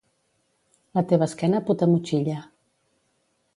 La teva esquena put a motxilla.